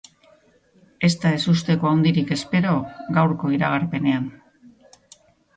Ez da ezusteko handirik espero gaurko iragarpenean.